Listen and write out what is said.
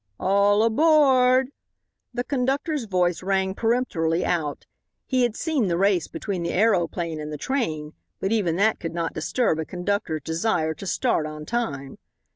"All ab o a r d!" The conductor's voice ran peremptorily out. He had seen the race between the aeroplane and the train, but even that could not disturb a conductor's desire to start on time.